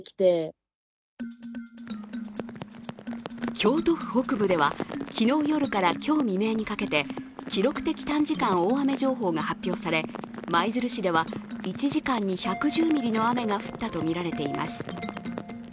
京都府北部では、昨日夜から今日未明にかけて記録的短時間大雨情報が発表され、舞鶴市では１時間に１１０ミリの雨が降ったとみられています。